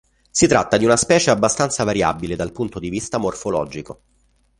Si tratta di una specie abbastanza variabile dal punto di vista morfologico.